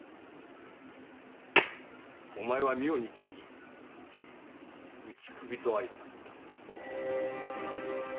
お前は明日打首とあいなった。